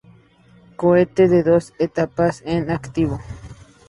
Cohete de dos etapas, en activo.